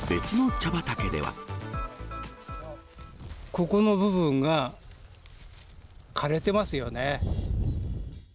ここの部分が枯れてますよね。